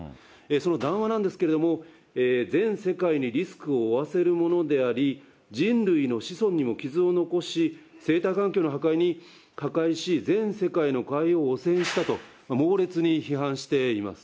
その談話なんですけれども、全世界にリスクを負わせるものであり、人類の子孫にも傷を残し、生態環境を破壊し、全世界の海洋を汚染したと猛烈に批判しています。